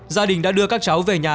gia đình đã đưa các cháu về nhà